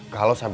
kalau sampai ini